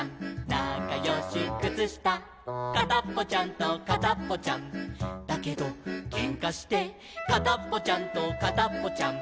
なかよしくつした」「かたっぽちゃんとかたっぽちゃんだけどけんかして」「かたっぽちゃんとかたっぽちゃん」